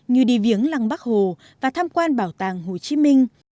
như đi viếng lăng bắc hồ và tham quan bảo tàng hồ chí minh